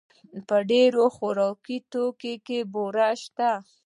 په ډېر خوراکي توکو کې بوره شته.